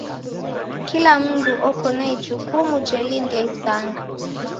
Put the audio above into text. Kila mndu oko na ijukumu jelindia isanga.